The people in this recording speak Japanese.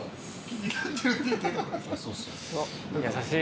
優しい。